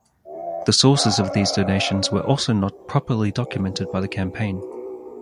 The sources of these donations were also not properly documented by the campaign.